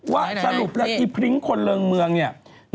ว่าสรุปล่ะอีพริ้งคนเริ่งเมืองเนี่ย